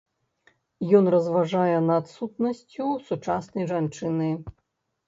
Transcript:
Ён разважае над сутнасцю сучаснай жанчыны.